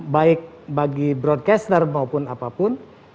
baik bagi broadcaster maupun apapun